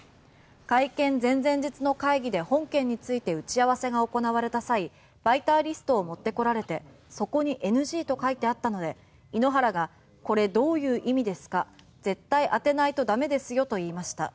会見前日の会議で本件について打ち合わせが行われた際媒体リストを持ってこられてそこにＮＧと書いてあったので井ノ原がこれどういう意味ですか絶対当てないと駄目ですよと言いました。